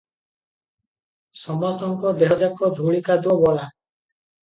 ସମସ୍ତଙ୍କ ଦେହଯାକ ଧୂଳି କାଦୁଅ ବୋଳା ।